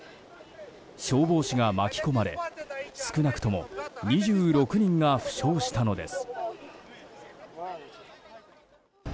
消防士が巻き込まれ少なくとも２６人が負傷したのです。